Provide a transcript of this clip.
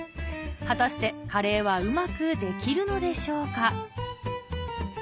果たしてカレーはうまく出来るのでしょうか？